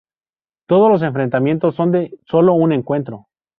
Todos los enfrentamientos son de solo un encuentro.